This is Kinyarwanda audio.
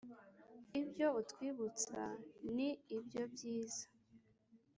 Ibyo utwibutsa ni ibyobyiza.